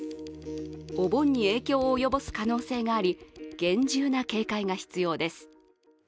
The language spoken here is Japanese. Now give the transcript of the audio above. お盆に影響を及ぼす可能性があり厳重な警戒が必要です。